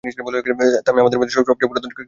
থরির আমাদের মাঝে যে সবচেয়ে বলবান, তাকেই বেছে নেবে।